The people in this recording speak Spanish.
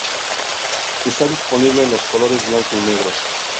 Está disponible en los colores blanco y negro.